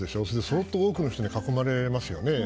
相当多くの人に囲まれますよね。